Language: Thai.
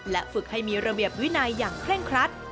ฝึกให้มีระเบียบวินัยอย่างเคร่งครัด